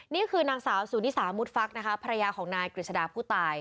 นี่คือนางสาวสุนิสามุดฟักนะคะภรรยาของนายกฤษดาผู้ตาย